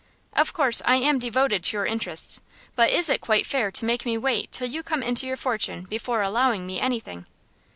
"Of course I am devoted to your interests, but is it quite fair to make me wait till you come into your fortune before allowing me anything?"